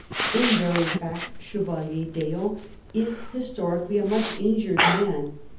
In very fact Chevalier d'Eon is historically a much injured man.